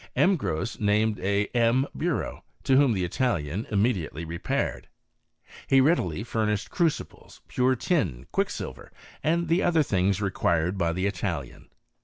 M. Gros named a M. Bureau, "^hom the Italian immediately repaired. He read OF ALCHTMY. 17 fiimished crucibles, pure tin, quicksilver, and the other things required by the Italian.